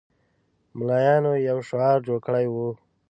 ملایانو یو شعار جوړ کړی وو.